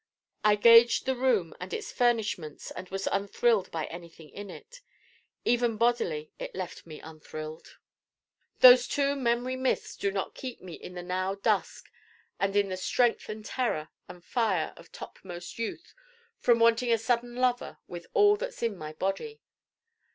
I gauged the Room and its furnishments and was unthrilled by anything in it. Even bodily it left me unthrilled. Those two memory mists do not keep me in the now dusk and in the strength and terror and fire of top most youth from wanting a sudden Lover with all that's in my Body.